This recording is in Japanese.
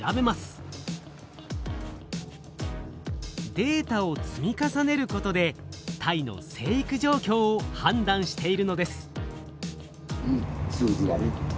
データを積み重ねることでタイの成育状況を判断しているのです。